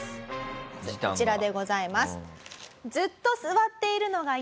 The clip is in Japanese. こちらでございます。